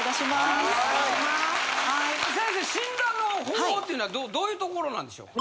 先生診断の方法っていうのはどういうところなんでしょう？